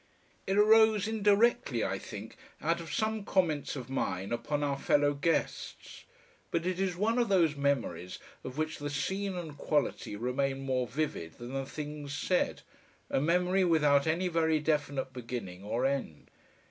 It arose indirectly, I think, out of some comments of mine upon our fellow guests, but it is one of those memories of which the scene and quality remain more vivid than the things said, a memory without any very definite beginning or end.